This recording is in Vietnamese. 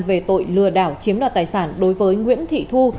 về tội lừa đảo chiếm đoạt tài sản đối với nguyễn thị thu